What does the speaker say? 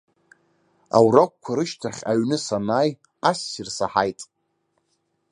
Аурокқәа рышьҭахь аҩны санааи, ассир саҳаит.